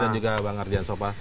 dan juga bang ardian soppa